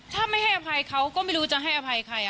ถ้าไม่ให้อภัยเขาก็ไม่รู้จะให้อภัยใคร